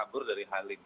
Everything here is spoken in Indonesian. kabur dari halim